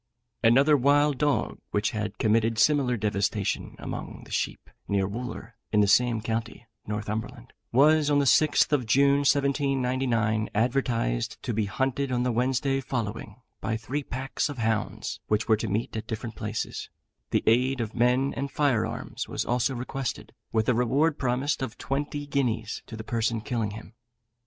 Another wild dog, which had committed similar devastation among the sheep, near Wooler, in the same county (Northumberland), was, on the 6th of June, 1799, advertised to be hunted on the Wednesday following, by three packs of hounds, which were to meet at different places; the aid of men and fire arms was also requested, with a reward promised of twenty guineas to the person killing him.